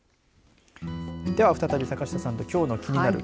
では、再び坂下さんときょうのキニナル！